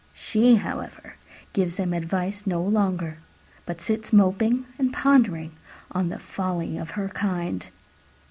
She, however, gives them advice no longer, but sits moping and pondering on the folly of her kind.